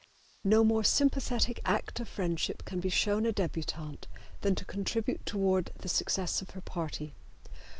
No more sympathetic act of friendship can be shown a debutante than to contribute toward the success of her party.